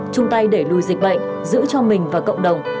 trung tay để lùi dịch bệnh giữ cho mình và cộng đồng